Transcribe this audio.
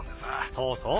そうそう。